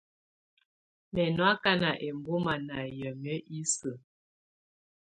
Mɛ̀ nɔ̀ akana ɛmbɔma nà yamɛ̀á isǝ́.